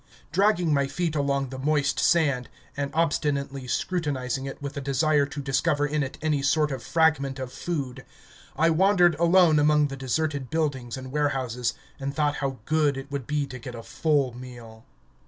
Dragging my feet along the moist sand, and obstinately scrutinising it with the desire to discover in it any sort of fragment of food, I wandered alone among the deserted buildings and warehouses, and thought how good it would be to get a full meal.